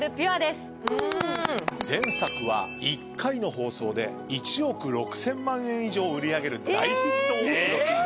前作は１回の放送で１億６，０００万円以上売り上げる大ヒットを記録いたしました。